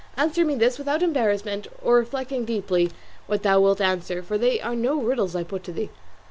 Answer me this, without embarrassment or reflecting deeply what thou wilt answer, for they are no riddles I put to thee."